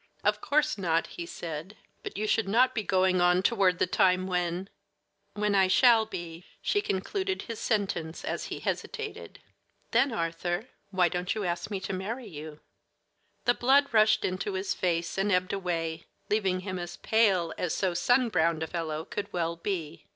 "Of course not," he said; "but you should not be going on toward the time when " "When I shall be," she concluded his sentence as he hesitated. "Then, Arthur, why don't you ask me to marry you?" The blood rushed into his face and ebbed away, leaving him as pale as so sun browned a fellow could well be.